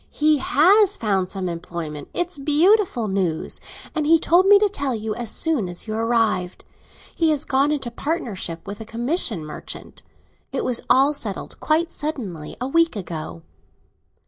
"He has found some employment! It's beautiful news, and he told me to tell you as soon as you arrived. He has gone into partnership with a commission merchant. It was all settled, quite suddenly, a week ago."